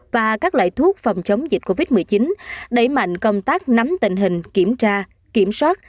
và các loại thuốc phòng chống dịch covid một mươi chín đẩy mạnh công tác nắm tình hình kiểm tra kiểm soát